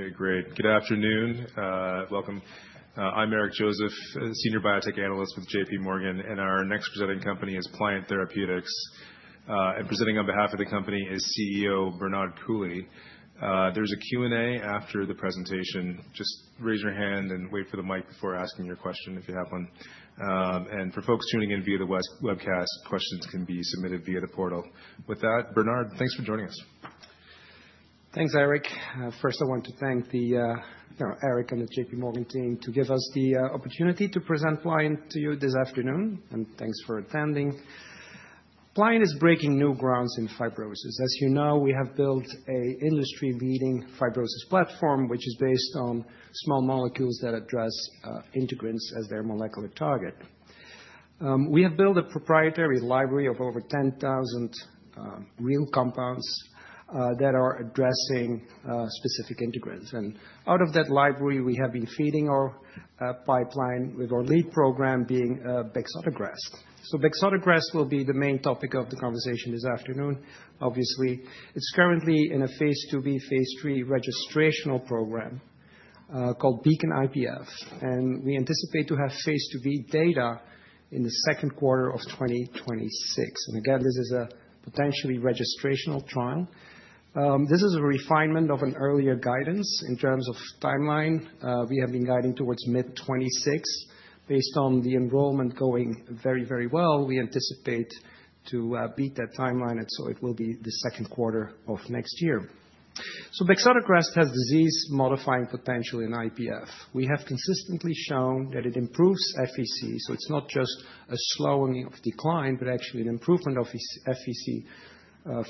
Okay, great. Good afternoon. Welcome. I'm Eric Joseph, Senior Biotech Analyst with J.P. Morgan. And our next presenting company is Pliant Therapeutics. And presenting on behalf of the company is CEO Bernard Coulie. There's a Q&A after the presentation. Just raise your hand and wait for the mic before asking your question if you have one. And for folks tuning in via the webcast, questions can be submitted via the portal. With that, Bernard, thanks for joining us. Thanks, Eric. First, I want to thank Eric and the J.P. Morgan team to give us the opportunity to present Pliant to you this afternoon. And thanks for attending. Pliant is breaking new grounds in fibrosis. As you know, we have built an industry-leading fibrosis platform, which is based on small molecules that address integrins as their molecular target. We have built a proprietary library of over 10,000 real compounds that are addressing specific integrins. And out of that library, we have been feeding our pipeline with our lead program being bexotegrast. So bexotegrast will be the main topic of the conversation this afternoon, obviously. It's currently in a phase IIb, phase III registrational program called BEACON-IPF. And we anticipate to have phase IIb data in the second quarter of 2026. And again, this is a potentially registrational trial. This is a refinement of an earlier guidance in terms of timeline. We have been guiding towards mid-2026. Based on the enrollment going very, very well, we anticipate to beat that timeline, and so it will be the second quarter of next year, so bexotegrast has disease-modifying potential in IPF. We have consistently shown that it improves FVC, so it's not just a slowing of decline, but actually an improvement of FVC,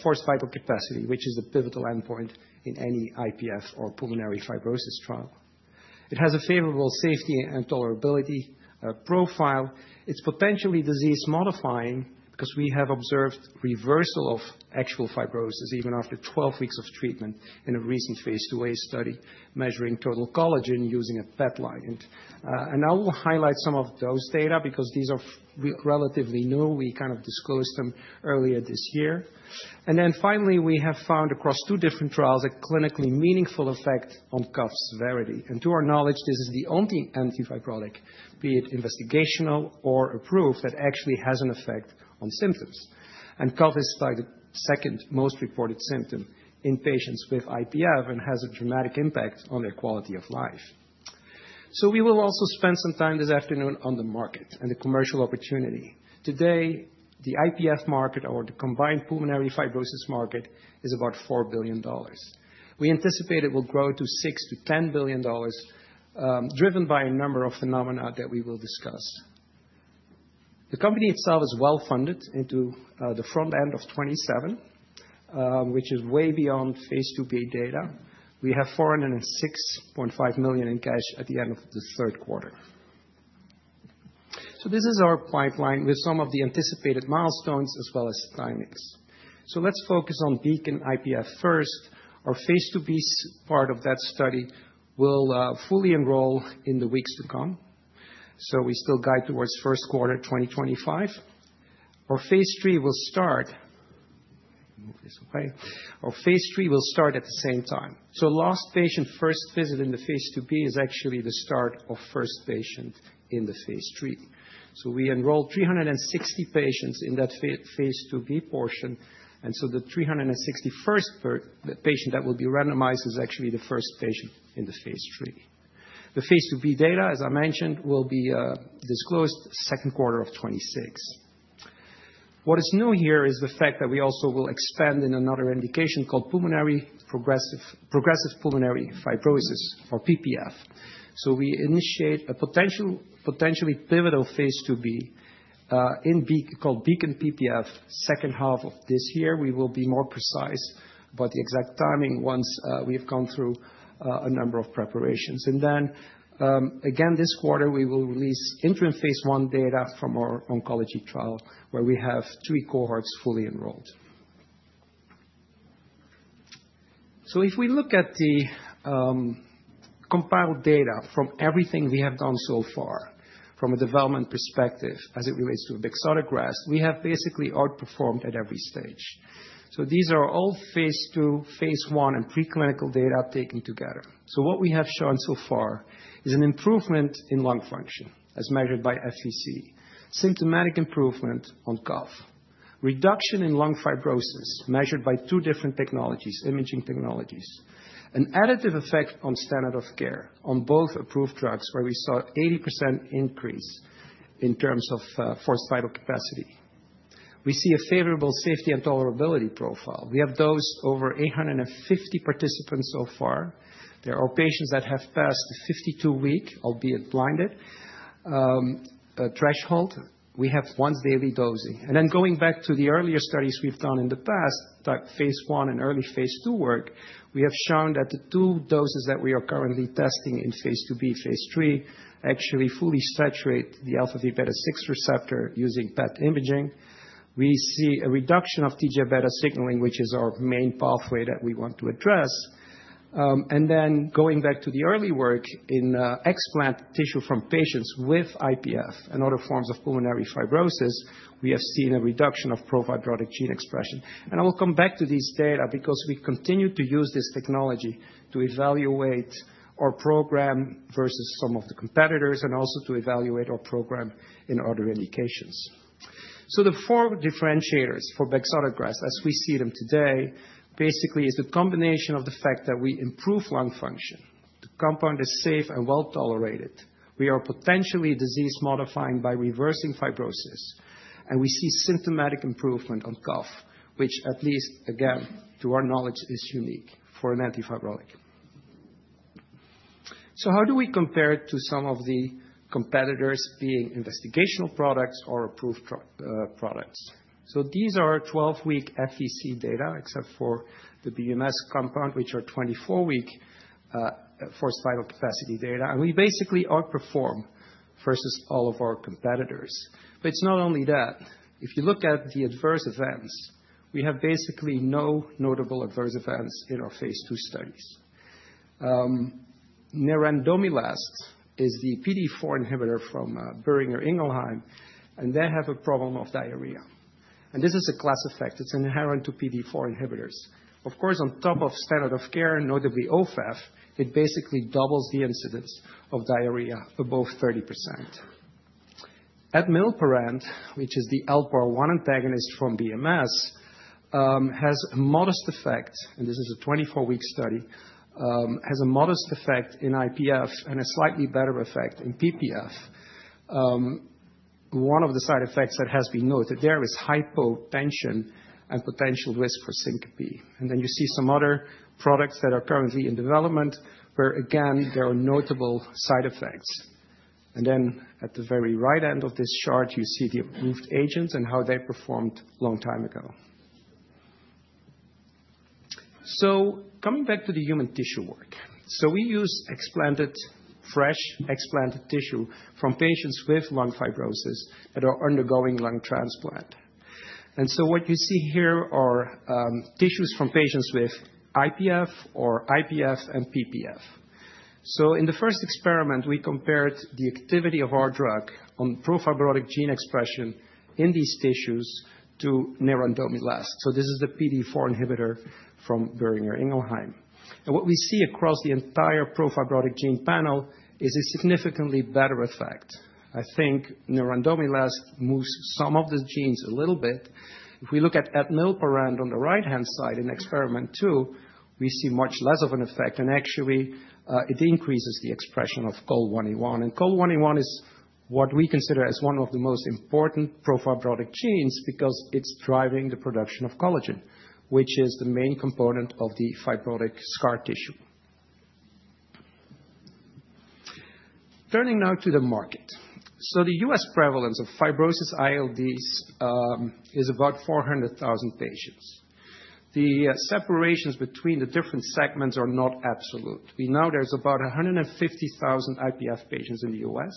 Forced Vital Capacity, which is the pivotal endpoint in any IPF or pulmonary fibrosis trial. It has a favorable safety and tolerability profile. It's potentially disease-modifying because we have observed reversal of actual fibrosis even after 12 weeks of treatment in a recent phase IIa study measuring total collagen using a PET ligand, and I will highlight some of those data because these are relatively new. We kind of disclosed them earlier this year. Then finally, we have found across two different trials a clinically meaningful effect on cough severity. To our knowledge, this is the only antifibrotic, be it investigational or approved, that actually has an effect on symptoms. cough is like the second most reported symptom in patients with IPF and has a dramatic impact on their quality of life. We will also spend some time this afternoon on the market and the commercial opportunity. Today, the IPF market, or the combined pulmonary fibrosis market, is about $4 billion. We anticipate it will grow to $6-$10 billion, driven by a number of phenomena that we will discuss. The company itself is well-funded into the front end of 2027, which is way beyond phase IIb data. We have $465 million in cash at the end of the third quarter. This is our pipeline with some of the anticipated milestones as well as timings. Let's focus on BEACON-IPF first. Our phase IIb part of that study will fully enroll in the weeks to come. We still guide towards first quarter 2025. Our phase III will start at the same time. Last patient first visit in the phase IIb is actually the start of first patient in the phase III. We enrolled 360 patients in that phase IIb portion. The 361st patient that will be randomized is actually the first patient in the phase III. The phase IIb data, as I mentioned, will be disclosed second quarter of 2026. What is new here is the fact that we also will expand in another indication called progressive pulmonary fibrosis, or PPF. We initiate a potentially pivotal phase IIb called BEACON-PPF second half of this year. We will be more precise about the exact timing once we have gone through a number of preparations. And then again, this quarter, we will release interim phase 1 data from our oncology trial where we have three cohorts fully enrolled. So if we look at the compiled data from everything we have done so far from a development perspective as it relates to bexotegrast, we have basically outperformed at every stage. So these are all phase II, phase 1, and preclinical data taken together. What we have shown so far is an improvement in lung function as measured by FVC, symptomatic improvement on cough, reduction in lung fibrosis measured by two different technologies, imaging technologies, an additive effect on standard of care on both approved drugs where we saw an 80% increase in terms of forced vital capacity. We see a favorable safety and tolerability profile. We have dosed over 850 participants so far. There are patients that have passed the 52-week, albeit blinded, threshold. We have once-daily dosing. And then going back to the earlier studies we've done in the past, type phase 1 and early phase II work, we have shown that the two doses that we are currently testing in phase IIb, phase III actually fully saturate the alpha-v beta-6 receptor using PET imaging. We see a reduction of TGF-β signaling, which is our main pathway that we want to address. Then going back to the early work in explant tissue from patients with IPF and other forms of pulmonary fibrosis, we have seen a reduction of pro-fibrotic gene expression. I will come back to these data because we continue to use this technology to evaluate our program versus some of the competitors and also to evaluate our program in other indications. The four differentiators for bexotegrast as we see them today basically is the combination of the fact that we improve lung function, the compound is safe and well-tolerated, we are potentially disease-modifying by reversing fibrosis, and we see symptomatic improvement on cough, which at least, again, to our knowledge, is unique for an antifibrotic. How do we compare to some of the competitors being investigational products or approved products? These are 12-week FVC data except for the BMS compound, which are 24-week forced vital capacity data. And we basically outperform versus all of our competitors. But it's not only that. If you look at the adverse events, we have basically no notable adverse events in our phase II studies. nerandomilast is the PDE4 inhibitor from Boehringer Ingelheim. And they have a problem of diarrhea. And this is a class effect. It's inherent to PDE4 inhibitors. Of course, on top of standard of care, notably Ofev, it basically doubles the incidence of diarrhea above 30%. Admilparant, which is the LPAR1 antagonist from BMS, has a modest effect. And this is a 24-week study, has a modest effect in IPF and a slightly better effect in PPF. One of the side effects that has been noted there is hypotension and potential risk for syncope. And then you see some other products that are currently in development where, again, there are notable side effects. And then at the very right end of this chart, you see the approved agents and how they performed a long time ago. So coming back to the human tissue work. So we use fresh explanted tissue from patients with lung fibrosis that are undergoing lung transplant. And so what you see here are tissues from patients with IPF or IPF and PPF. So in the first experiment, we compared the activity of our drug on pro-fibrotic gene expression in these tissues to nerandomilast. So this is the PDE4 inhibitor from Boehringer Ingelheim. And what we see across the entire pro-fibrotic gene panel is a significantly better effect. I think nerandomilast moves some of the genes a little bit. If we look at admilparant on the right-hand side in experiment two, we see much less of an effect. And actually, it increases the expression of COL1A1. And COL1A1 is what we consider as one of the most important pro-fibrotic genes because it's driving the production of collagen, which is the main component of the fibrotic scar tissue. Turning now to the market. So the U.S. prevalence of fibrosis ILDs is about 400,000 patients. The separations between the different segments are not absolute. We know there's about 150,000 IPF patients in the U.S.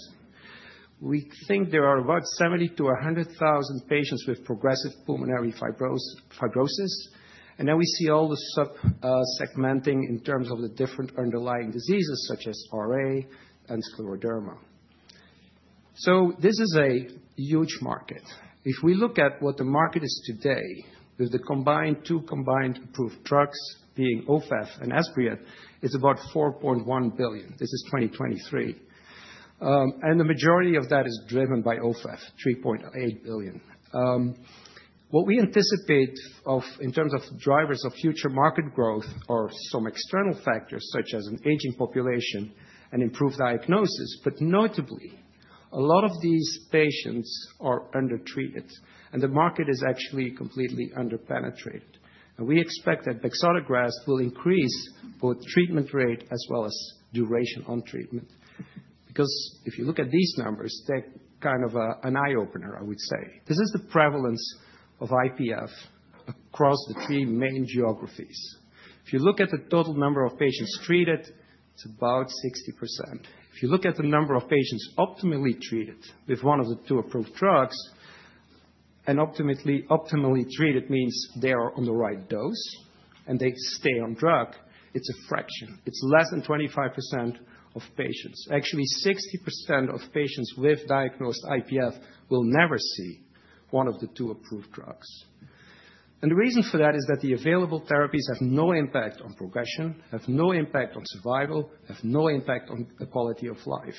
We think there are about 70,000 to 100,000 patients with progressive pulmonary fibrosis. And then we see all the subsegmenting in terms of the different underlying diseases such as RA and scleroderma. So this is a huge market. If we look at what the market is today with the two combined approved drugs being Ofev and Esbriet, it's about $4.1 billion. This is 2023. The majority of that is driven by Ofev, $3.8 billion. What we anticipate in terms of drivers of future market growth are some external factors such as an aging population and improved diagnosis. Notably, a lot of these patients are undertreated. The market is actually completely underpenetrated. We expect that bexotegrast will increase both treatment rate as well as duration on treatment. Because if you look at these numbers, they're kind of an eye-opener, I would say. This is the prevalence of IPF across the three main geographies. If you look at the total number of patients treated, it's about 60%. If you look at the number of patients optimally treated with one of the two approved drugs, and optimally treated means they are on the right dose and they stay on drug, it's a fraction. It's less than 25% of patients. Actually, 60% of patients with diagnosed IPF will never see one of the two approved drugs. And the reason for that is that the available therapies have no impact on progression, have no impact on survival, have no impact on the quality of life.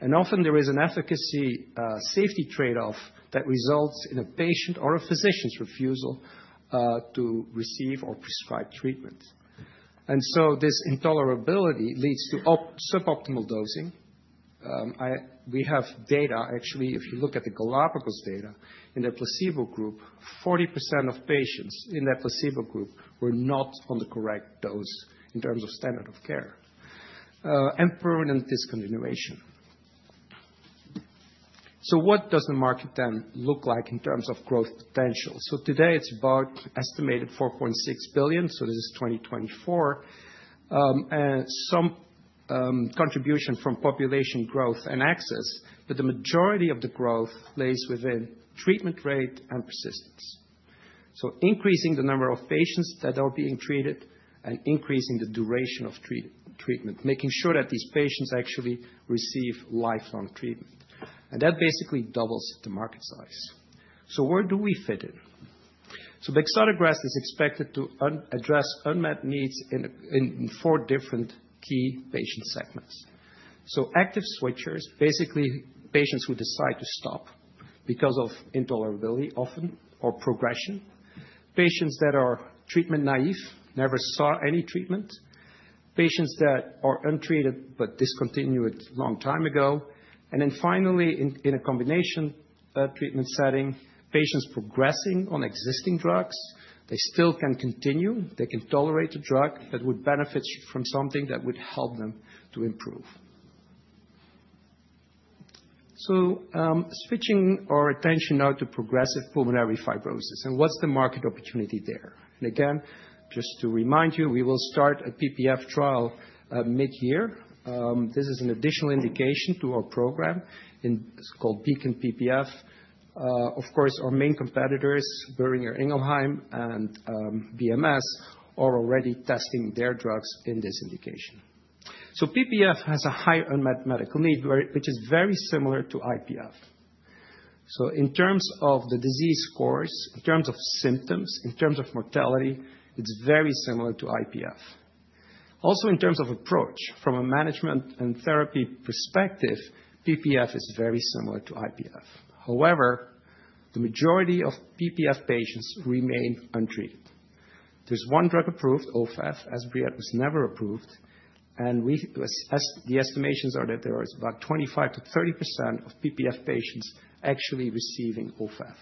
And often, there is an efficacy safety trade-off that results in a patient or a physician's refusal to receive or prescribe treatment. And so this intolerability leads to suboptimal dosing. We have data, actually, if you look at the Galapagos data in the placebo group, 40% of patients in that placebo group were not on the correct dose in terms of standard of care and permanent discontinuation. So what does the market then look like in terms of growth potential? Today, it's about an estimated $4.6 billion. This is 2024. And some contribution from population growth and access, but the majority of the growth lies within treatment rate and persistence. Increasing the number of patients that are being treated and increasing the duration of treatment, making sure that these patients actually receive lifelong treatment. And that basically doubles the market size. Where do we fit in? bexotegrast is expected to address unmet needs in four different key patient segments. So, active switchers, basically patients who decide to stop because of intolerability often or progression, patients that are treatment naive, never saw any treatment, patients that are untreated but discontinued a long time ago. And then finally, in a combination treatment setting, patients progressing on existing drugs. They still can continue. They can tolerate the drug, but would benefit from something that would help them to improve. So, switching our attention now to progressive pulmonary fibrosis. And what's the market opportunity there? And again, just to remind you, we will start a PPF trial mid-year. This is an additional indication to our program. It's called BEACON-PPF. Of course, our main competitors, Boehringer Ingelheim and BMS, are already testing their drugs in this indication. So, PPF has a high unmet medical need, which is very similar to IPF. So in terms of the disease course, in terms of symptoms, in terms of mortality, it's very similar to IPF. Also, in terms of approach from a management and therapy perspective, PPF is very similar to IPF. However, the majority of PPF patients remain untreated. There's one drug approved, Ofev. Esbriet was never approved. And the estimations are that there are about 25%-30% of PPF patients actually receiving Ofev.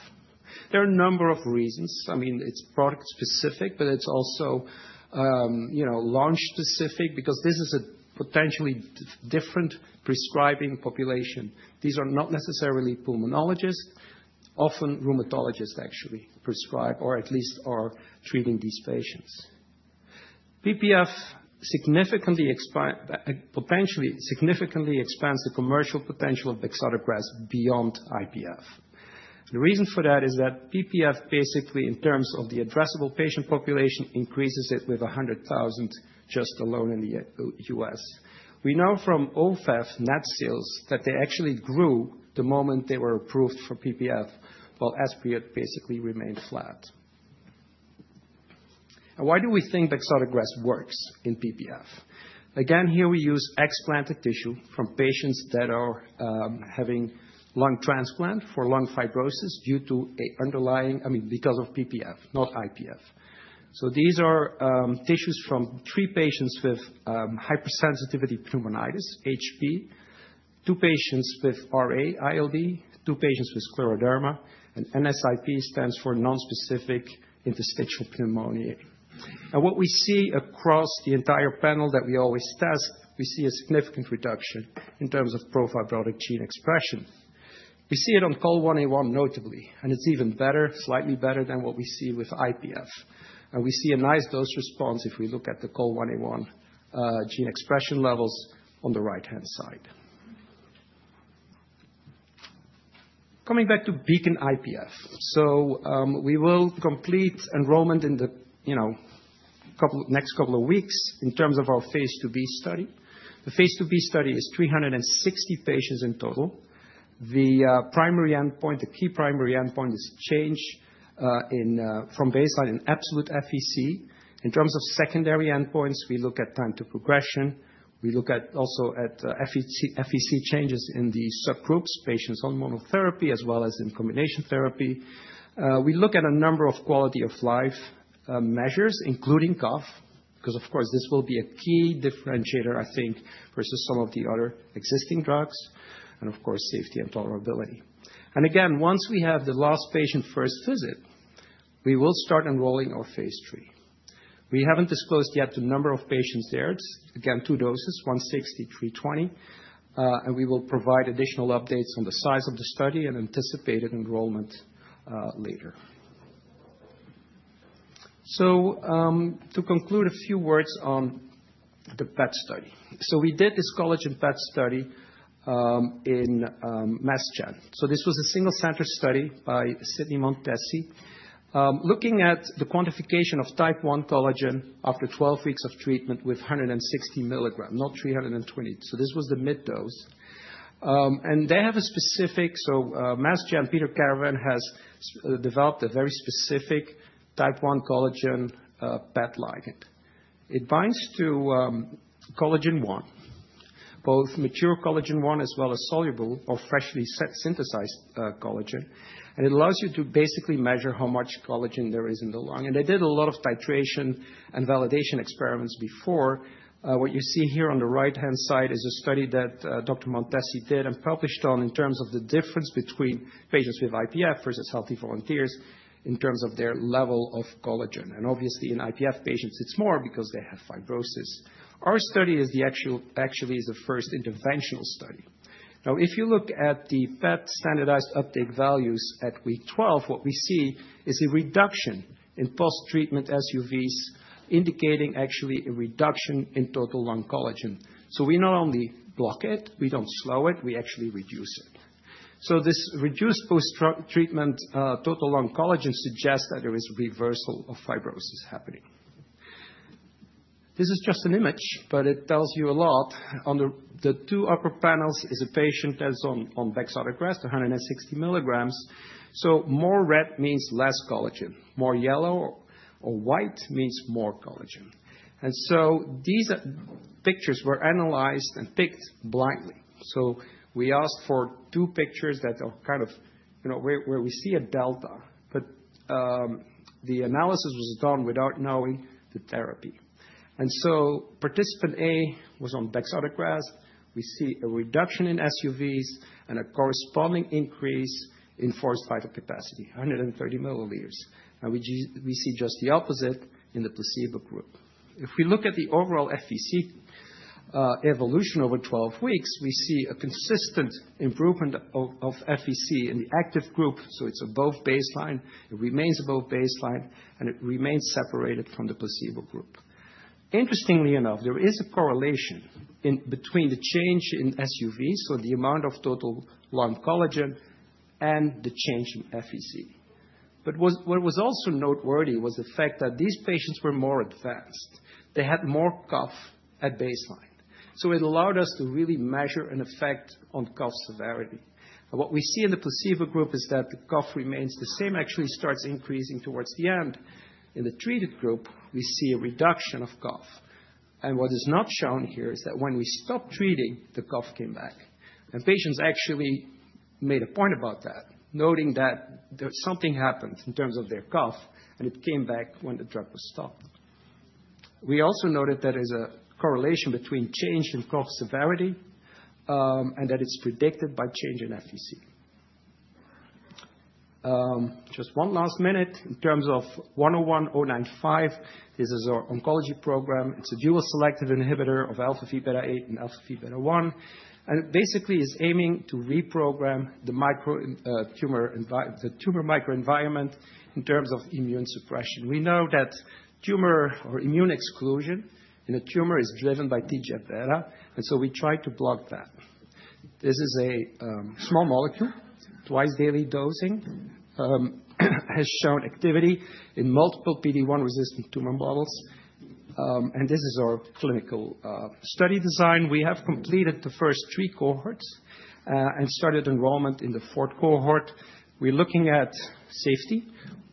There are a number of reasons. I mean, it's product-specific, but it's also launch-specific because this is a potentially different prescribing population. These are not necessarily pulmonologists. Often rheumatologists actually prescribe or at least are treating these patients. PPF potentially significantly expands the commercial potential of bexotegrast beyond IPF. The reason for that is that PPF, basically in terms of the addressable patient population, increases it with 100,000 just alone in the U.S. We know from Ofev net sales that they actually grew the moment they were approved for PPF, while Esbriet basically remained flat. And why do we think bexotegrast works in PPF? Again, here we use explanted tissue from patients that are having lung transplant for lung fibrosis due to an underlying, I mean, because of PPF, not IPF. So these are tissues from three patients with hypersensitivity pneumonitis, HP, two patients with RA-ILD, two patients with scleroderma, and NSIP stands for nonspecific interstitial pneumonia. And what we see across the entire panel that we always test, we see a significant reduction in terms of pro-fibrotic gene expression. We see it on COL1A1 notably, and it's even better, slightly better than what we see with IPF. And we see a nice dose response if we look at the COL1A1 gene expression levels on the right-hand side. Coming back to BEACON-IPF, so we will complete enrollment in the next couple of weeks in terms of our phase IIb study. The phase IIb study is 360 patients in total. The primary endpoint, the key primary endpoint, is change from baseline in absolute FVC. In terms of secondary endpoints, we look at time to progression. We look also at FVC changes in the subgroups, patients on monotherapy as well as in combination therapy. We look at a number of quality of life measures, including cough, because, of course, this will be a key differentiator, I think, versus some of the other existing drugs. And of course, safety and tolerability. And again, once we have the last patient-first visit, we will start enrolling our phase III. We haven't disclosed yet the number of patients there. It's, again, two doses, 160, 320. We will provide additional updates on the size of the study and anticipated enrollment later. To conclude, a few words on the PET study. We did this collagen PET study in Mass General. This was a single-center study by Sydney Montesi. Looking at the quantification of type 1 collagen after 12 weeks of treatment with 160 milligrams, not 320. This was the mid-dose. And they have a specific, so Mass General, Peter Caravan has developed a very specific type 1 collagen PET ligand. It binds to collagen 1, both mature collagen 1 as well as soluble or freshly synthesized collagen. And it allows you to basically measure how much collagen there is in the lung. And they did a lot of titration and validation experiments before. What you see here on the right-hand side is a study that Dr. Montesi did and published on in terms of the difference between patients with IPF versus healthy volunteers in terms of their level of collagen. And obviously, in IPF patients, it's more because they have fibrosis. Our study actually is the first interventional study. Now, if you look at the PET standardized uptake values at week 12, what we see is a reduction in post-treatment SUVs, indicating actually a reduction in total lung collagen. So we not only block it, we don't slow it. We actually reduce it. So this reduced post-treatment total lung collagen suggests that there is reversal of fibrosis happening. This is just an image, but it tells you a lot. On the two upper panels is a patient that's on bexotegrast, 160 milligrams. So more red means less collagen. More yellow or white means more collagen. And so these pictures were analyzed and picked blindly. So we asked for two pictures that are kind of where we see a delta, but the analysis was done without knowing the therapy. And so participant A was on bexotegrast. We see a reduction in SUVs and a corresponding increase in forced vital capacity, 130 milliliters. And we see just the opposite in the placebo group. If we look at the overall FVC evolution over 12 weeks, we see a consistent improvement of FVC in the active group. So it's above baseline. It remains above baseline. And it remains separated from the placebo group. Interestingly enough, there is a correlation between the change in SUVs, so the amount of total lung collagen, and the change in FVC. But what was also noteworthy was the fact that these patients were more advanced. They had more cough at baseline. So it allowed us to really measure an effect on cough severity. What we see in the placebo group is that the cough remains the same, actually starts increasing towards the end. In the treated group, we see a reduction of cough. What is not shown here is that when we stopped treating, the cough came back. Patients actually made a point about that, noting that something happened in terms of their cough, and it came back when the drug was stopped. We also noted that there's a correlation between change in cough severity and that it's predicted by change in FVC. Just one last minute. In terms of PLN-101095, this is our oncology program. It's a dual selective inhibitor of alpha-v beta-8 and alpha-v beta-1. It basically is aiming to reprogram the tumor microenvironment in terms of immune suppression. We know that tumor or immune exclusion in a tumor is driven by TGF-beta. And so we try to block that. This is a small molecule. Twice-daily dosing has shown activity in multiple PD-1 resistant tumor models. And this is our clinical study design. We have completed the first three cohorts and started enrollment in the fourth cohort. We're looking at safety,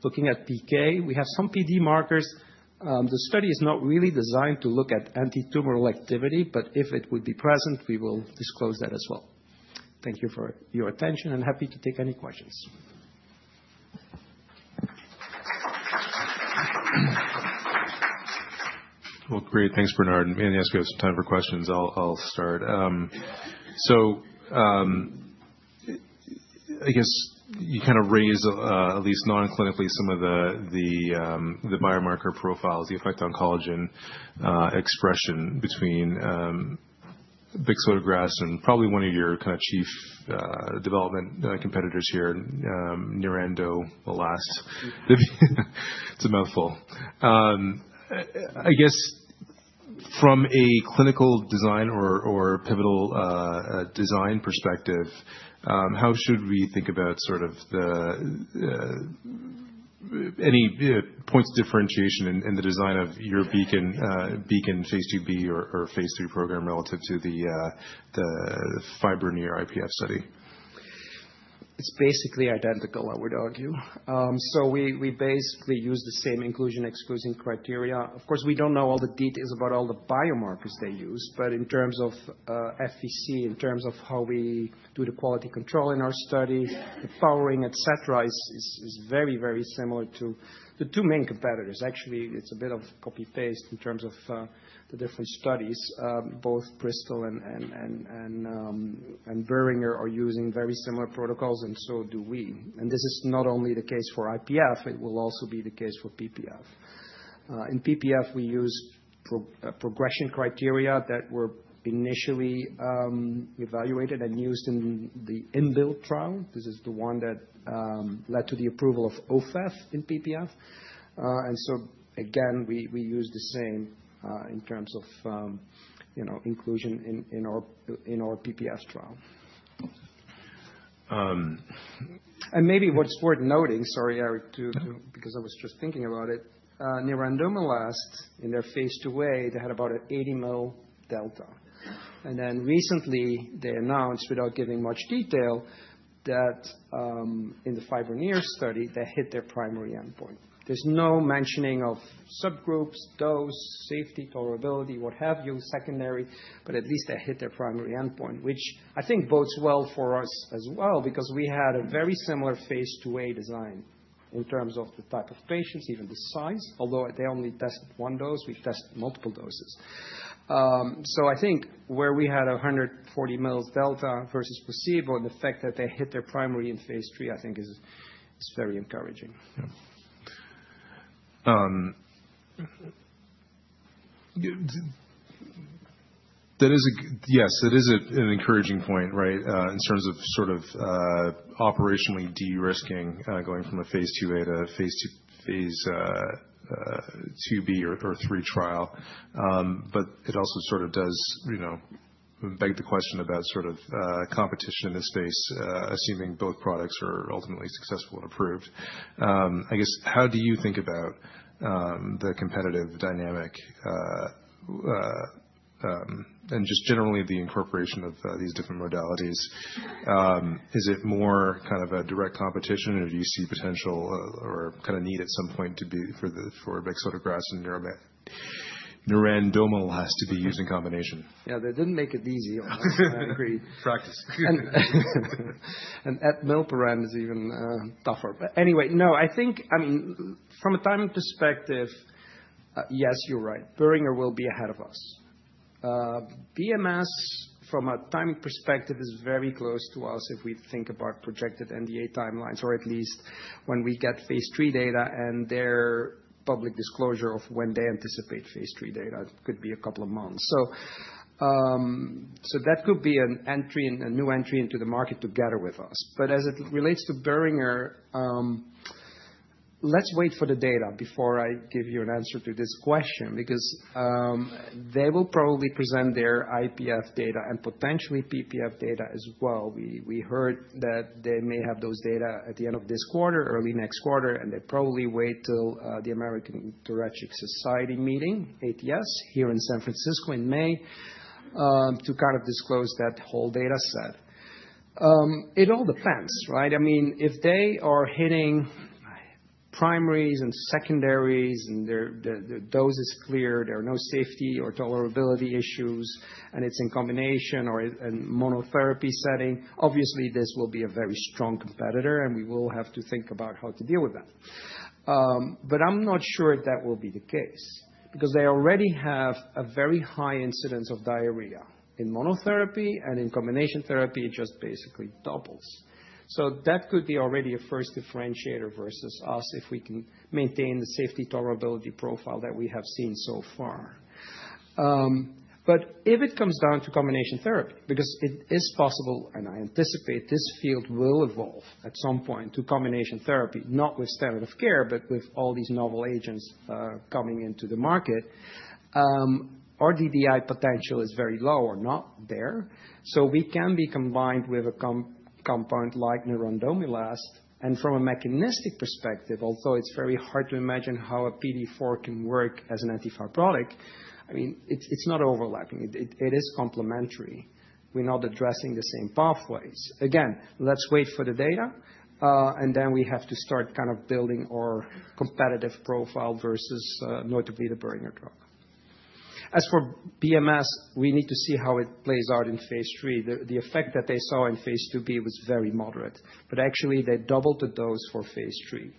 looking at PK. We have some PD markers. The study is not really designed to look at anti-tumoral activity, but if it would be present, we will disclose that as well. Thank you for your attention, and happy to take any questions. Well, great. Thanks, Bernard. And yes, we have some time for questions. I'll start. So I guess you kind of raised, at least non-clinically, some of the biomarker profiles, the effect on collagen expression between bexotegrast and probably one of your kind of chief development competitors here, nerandomilast. It's a mouthful. I guess from a clinical design or pivotal design perspective, how should we think about sort of any points of differentiation in the design of your BEACON phase IIb or phase III program relative to the FIBRONEER-IPF study? It's basically identical, I would argue, so we basically use the same inclusion-exclusion criteria. Of course, we don't know all the details about all the biomarkers they use, but in terms of FVC, in terms of how we do the quality control in our studies, the powering, et cetera, is very, very similar to the two main competitors. Actually, it's a bit of copy-paste in terms of the different studies. Both Bristol and Boehringer are using very similar protocols, and so do we, and this is not only the case for IPF. It will also be the case for PPF. In PPF, we use progression criteria that were initially evaluated and used in the INBUILD trial. This is the one that led to the approval of Ofev in PPF, and so again, we use the same in terms of inclusion in our PPF trial. And maybe what's worth noting, sorry, Eric, because I was just thinking about it. nerandomilast, in their phase 2a, they had about an 80-ml delta. And then recently, they announced, without giving much detail, that in the FIBRONEER study, they hit their primary endpoint. There's no mentioning of subgroups, dose, safety, tolerability, what have you, secondary, but at least they hit their primary endpoint, which I think bodes well for us as well because we had a very similar phase IIa design in terms of the type of patients, even the size, although they only tested one dose. We tested multiple doses. So I think where we had 140-ml delta versus placebo, the fact that they hit their primary in phase III, I think is very encouraging. Yeah. Yes, it is an encouraging point, right, in terms of sort of operationally de-risking going from a phase IIa to a phase IIb or 3 trial. But it also sort of does beg the question about sort of competition in this space, assuming both products are ultimately successful and approved. I guess, how do you think about the competitive dynamic and just generally the incorporation of these different modalities? Is it more kind of a direct competition, or do you see potential or kind of need at some point for bexotegrast and nerandomilast to be used in combination? Yeah, they didn't make it easy. I agree. Practice. At all parameters, even tougher. Anyway, no, I think, I mean, from a timing perspective, yes, you're right. Boehringer will be ahead of us. BMS, from a timing perspective, is very close to us if we think about projected NDA timelines, or at least when we get phase III data and their public disclosure of when they anticipate phase III data. It could be a couple of months. That could be a new entry into the market together with us. As it relates to Boehringer, let's wait for the data before I give you an answer to this question because they will probably present their IPF data and potentially PPF data as well. We heard that they may have those data at the end of this quarter, early next quarter, and they probably wait till the American Thoracic Society meeting, ATS, here in San Francisco in May to kind of disclose that whole data set. It all depends, right? I mean, if they are hitting primaries and secondaries and their dose is clear, there are no safety or tolerability issues, and it's in combination or in monotherapy setting, obviously, this will be a very strong competitor, and we will have to think about how to deal with them. But I'm not sure that will be the case because they already have a very high incidence of diarrhea in monotherapy, and in combination therapy, it just basically doubles. So that could be already a first differentiator versus us if we can maintain the safety tolerability profile that we have seen so far. But if it comes down to combination therapy, because it is possible, and I anticipate this field will evolve at some point to combination therapy, not with standard of care, but with all these novel agents coming into the market, our DDI potential is very low or not there. So we can be combined with a compound like nerandomilast. And from a mechanistic perspective, although it's very hard to imagine how a PDE4 can work as an antifibrotic, I mean, it's not overlapping. It is complementary. We're not addressing the same pathways. Again, let's wait for the data, and then we have to start kind of building our competitive profile versus notably the Boehringer drug. As for BMS, we need to see how it plays out in phase III. The effect that they saw in phase IIb was very moderate, but actually, they doubled the dose for phase III,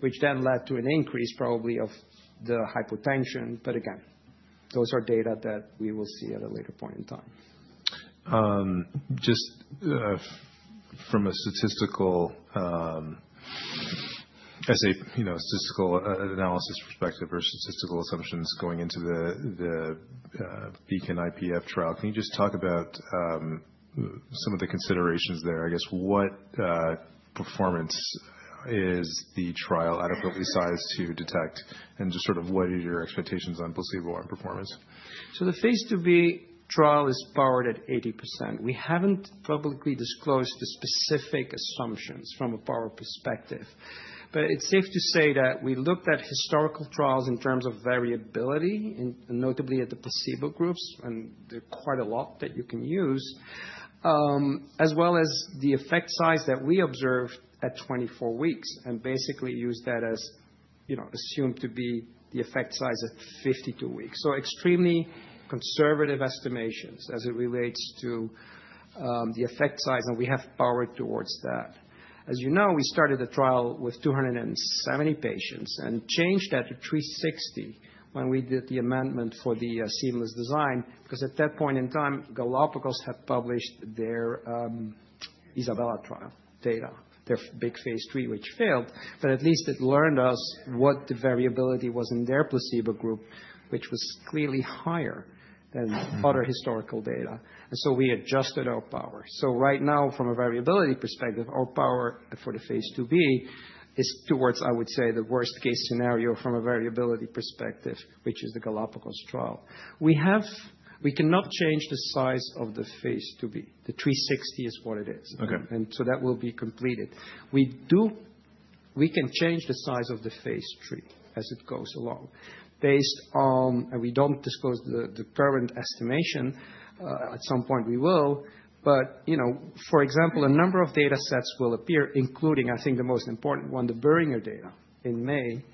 which then led to an increase probably of the hypotension. But again, those are data that we will see at a later point in time. Just from a statistical analysis perspective or statistical assumptions going into the BEACON-IPF trial, can you just talk about some of the considerations there? I guess, what performance is the trial adequately sized to detect? And just sort of what are your expectations on placebo and performance? So the phase IIb trial is powered at 80%. We haven't publicly disclosed the specific assumptions from a power perspective. But it's safe to say that we looked at historical trials in terms of variability, notably at the placebo groups, and there are quite a lot that you can use, as well as the effect size that we observed at 24 weeks and basically used that as assumed to be the effect size at 52 weeks. So extremely conservative estimations as it relates to the effect size, and we have powered towards that. As you know, we started the trial with 270 patients and changed that to 360 when we did the amendment for the seamless design because at that point in time, Galapagos had published their ISABELLA trial data, their big phase III, which failed. But at least it taught us what the variability was in their placebo group, which was clearly higher than other historical data. And so we adjusted our power. So right now, from a variability perspective, our power for the phase IIb is towards, I would say, the worst-case scenario from a variability perspective, which is the Galapagos trial. We cannot change the size of the phase IIb. The 360 is what it is. And so that will be completed. We can change the size of the phase III as it goes along based on, and we don't disclose the current estimation. At some point, we will. But for example, a number of data sets will appear, including, I think, the most important one, the Boehringer data in May.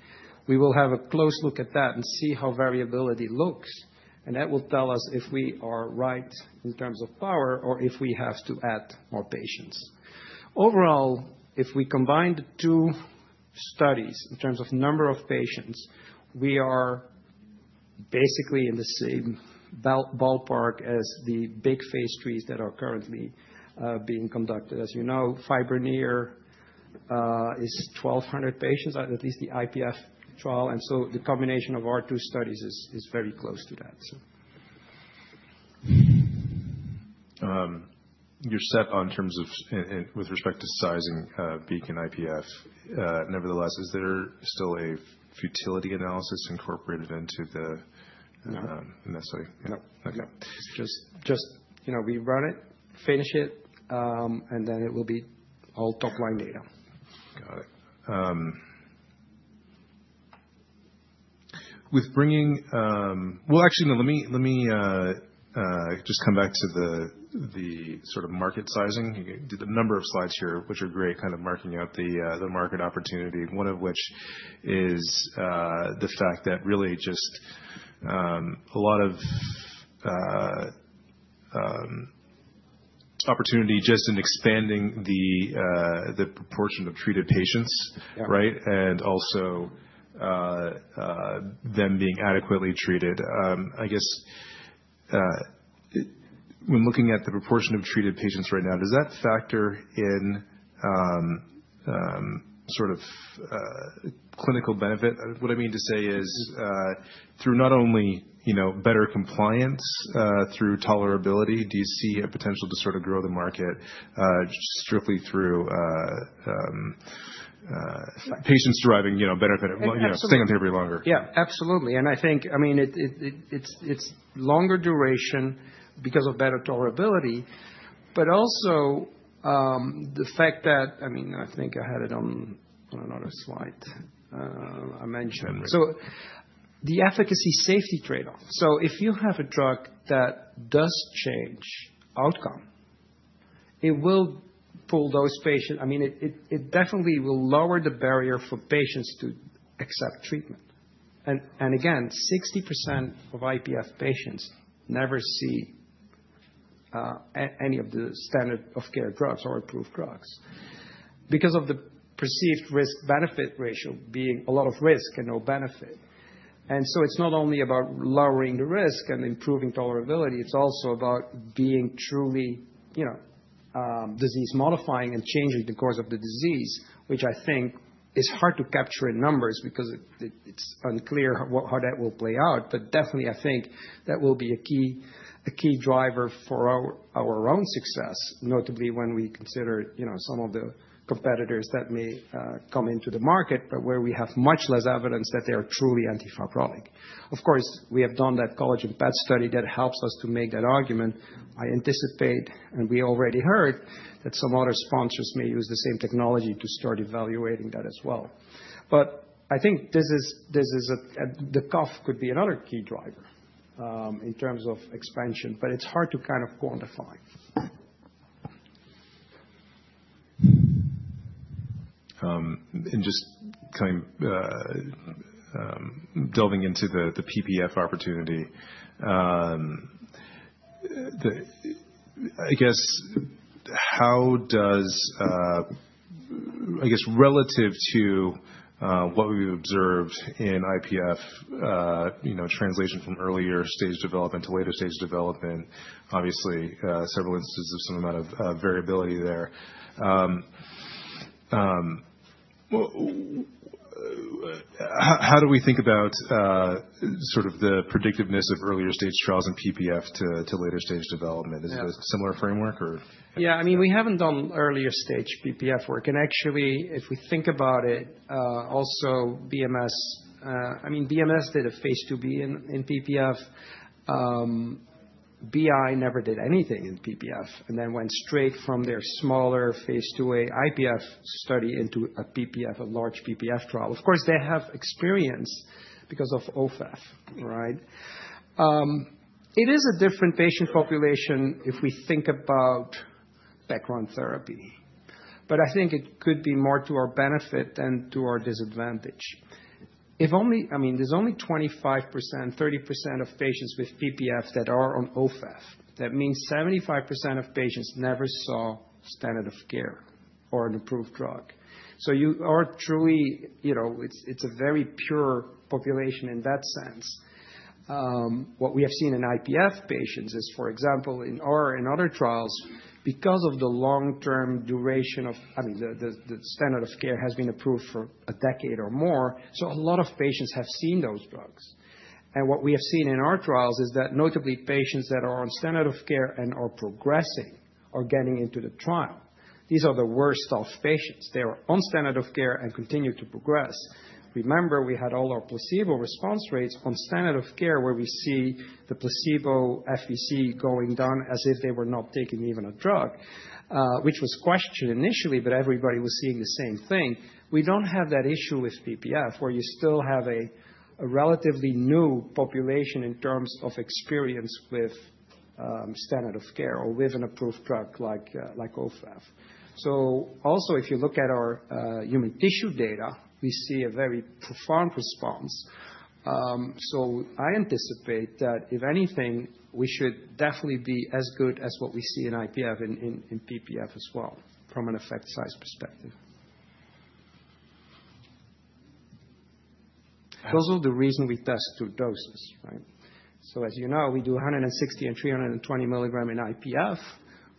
We will have a close look at that and see how variability looks. That will tell us if we are right in terms of power or if we have to add more patients. Overall, if we combine the two studies in terms of number of patients, we are basically in the same ballpark as the big phase IIIs that are currently being conducted. As you know, FIBRONEER is 1,200 patients, at least the IPF trial. And so the combination of our two studies is very close to that. You're set on terms of, with respect to sizing BEACON-IPF. Nevertheless, is there still a futility analysis incorporated into the necessary? No. Okay. No. Just we run it, finish it, and then it will be all top-line data. Got it. Well, actually, no, let me just come back to the sort of market sizing. You did a number of slides here, which are great, kind of marking out the market opportunity, one of which is the fact that really just a lot of opportunity just in expanding the proportion of treated patients, right, and also them being adequately treated. I guess when looking at the proportion of treated patients right now, does that factor in sort of clinical benefit? What I mean to say is through not only better compliance, through tolerability, do you see a potential to sort of grow the market strictly through patients deriving benefit, staying on therapy longer? Yeah, absolutely. And I think, I mean, it's longer duration because of better tolerability, but also the fact that, I mean, I think I had it on another slide I mentioned. So the efficacy-safety trade-off. So if you have a drug that does change outcome, it will pull those patients. I mean, it definitely will lower the barrier for patients to accept treatment. And again, 60% of IPF patients never see any of the standard of care drugs or approved drugs because of the perceived risk-benefit ratio being a lot of risk and no benefit. And so it's not only about lowering the risk and improving tolerability. It's also about being truly disease-modifying and changing the course of the disease, which I think is hard to capture in numbers because it's unclear how that will play out. But definitely, I think that will be a key driver for our own success, notably when we consider some of the competitors that may come into the market, but where we have much less evidence that they are truly antifibrotic. Of course, we have done that collagen PET study that helps us to make that argument. I anticipate, and we already heard, that some other sponsors may use the same technology to start evaluating that as well. But I think this is the cough could be another key driver in terms of expansion, but it's hard to kind of quantify. Just delving into the PPF opportunity, I guess, how does, I guess, relative to what we've observed in IPF translation from earlier stage development to later stage development, obviously, several instances of some amount of variability there, how do we think about sort of the predictiveness of earlier stage trials in PPF to later stage development? Is it a similar framework, or? Yeah, I mean, we haven't done earlier stage PPF work. And actually, if we think about it, also BMS. I mean, BMS did a phase IIb in PPF. BI never did anything in PPF and then went straight from their smaller phase IIa IPF study into a large PPF trial. Of course, they have experience because of Ofev, right? It is a different patient population if we think about background therapy. But I think it could be more to our benefit than to our disadvantage. I mean, there's only 25%-30% of patients with PPF that are on Ofev. That means 75% of patients never saw standard of care or an approved drug. So you are truly. It's a very pure population in that sense. What we have seen in IPF patients is, for example, in our and other trials, because of the long-term duration of, I mean, the standard of care has been approved for a decade or more. So a lot of patients have seen those drugs. And what we have seen in our trials is that notably patients that are on standard of care and are progressing or getting into the trial, these are the worst-off patients. They are on standard of care and continue to progress. Remember, we had all our placebo response rates on standard of care where we see the placebo FVC going down as if they were not taking even a drug, which was questioned initially, but everybody was seeing the same thing. We don't have that issue with PPF where you still have a relatively new population in terms of experience with standard of care or with an approved drug like Ofev. So also, if you look at our human tissue data, we see a very profound response. So I anticipate that if anything, we should definitely be as good as what we see in IPF and in PPF as well from an effect size perspective. Those are the reasons we test two doses, right? So as you know, we do 160 and 320 milligrams in IPF.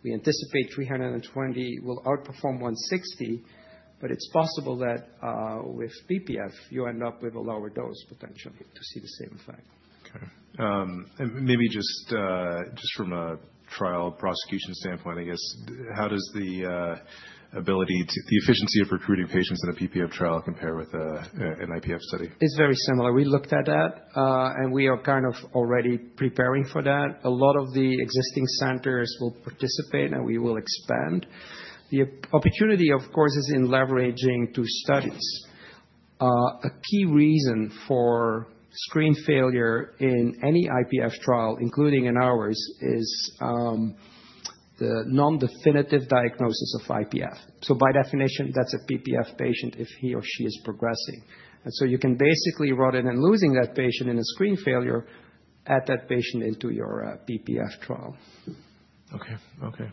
We anticipate 320 will outperform 160, but it's possible that with PPF, you end up with a lower dose potentially to see the same effect. And maybe just from a trial execution standpoint, I guess, how does the ability and the efficiency of recruiting patients in a PPF trial compare with an IPF study? It's very similar. We looked at that, and we are kind of already preparing for that. A lot of the existing centers will participate, and we will expand. The opportunity, of course, is in leveraging two studies. A key reason for screen failure in any IPF trial, including in ours, is the non-definitive diagnosis of IPF. So by definition, that's a PPF patient if he or she is progressing. And so you can basically run in and losing that patient in a screen failure, add that patient into your PPF trial. Okay. Okay.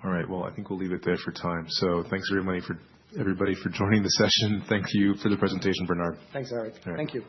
Good point. All right. Well, I think we'll leave it there for time. So thanks everybody for joining the session. Thank you for the presentation, Bernard. Thanks, Eric. Thank you.